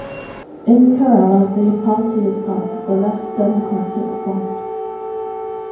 In Kerala, the party is part of the Left Democratic Front.